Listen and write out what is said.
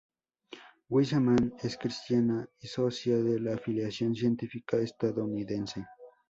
Wiseman es cristiana y socia de la Afiliación Científica Estadounidense.